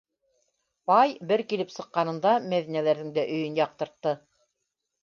Ай бер килеп сыҡҡанында Мәҙинәләрҙең дә өйөн яҡтыртты.